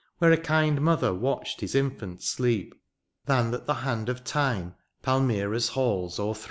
Where a kind mother watched his infant sleep. Than that the hand of time. Palmyra's halls overthrew.